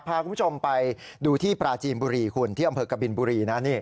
พาคุณผู้ชมไปดูที่ปราจีนบุรีคุณที่อำเภอกบินบุรีนะ